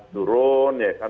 turun ya kan